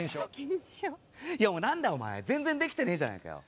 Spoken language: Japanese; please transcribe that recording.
いやもうなんだお前全然できてねえじゃねえかよ。